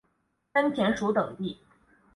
根田鼠等地。